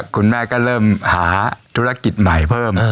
คุณแม่ก็เริ่มหาธุรกิจใหม่เพิ่ม